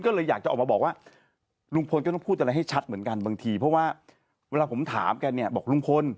ก็เลยอยากจะออกมาบอกว่าลุงพลก็ต้องพูดอะไรให้ชัดเหมือนกันบางทีเพราะว่าเวลาผมถามแกเนี่ยบอกลุงพล